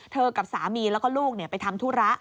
กับสามีแล้วก็ลูกไปทำธุระ